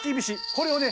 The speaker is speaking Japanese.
これをね